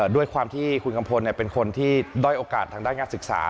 ด้วยความที่คุณกัมพลเป็นคนที่ด้อยโอกาสทางด้านการศึกษา